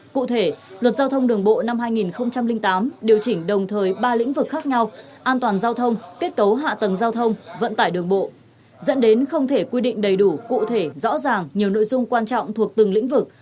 cụ thể luật giao thông đường bộ năm hai nghìn tám điều chỉnh đồng thời ba lĩnh vực khác nhau an toàn giao thông kết cấu hạ tầng giao thông vận tải đường bộ dẫn đến không thể quy định đầy đủ cụ thể rõ ràng nhiều nội dung quan trọng thuộc từng lĩnh vực